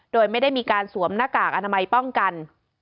โดยไม่ได้มีการสวมหน้ากากอนามัยป้องกัน